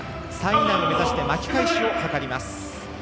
３位以内を目指して巻き返しを図ります。